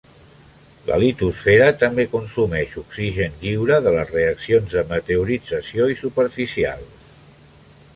La litosfera també consumeix oxigen lliure de les reaccions de meteorització i superficials.